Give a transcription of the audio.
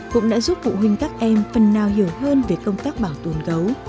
cũng đã giúp phụ huynh các em phần nào hiểu hơn về công tác bảo tồn gấu